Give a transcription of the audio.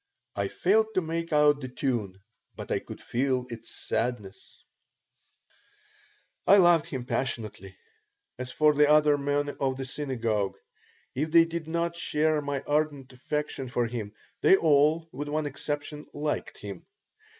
I failed to make out the tune, but I could feel its sadness I loved him passionately. As for the other men of the synagogue, if they did not share my ardent affection for him, they all, with one exception, liked him.